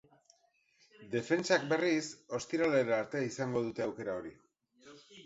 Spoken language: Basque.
Defentsak, berriz, ostiralera arte izango dute aukera hori.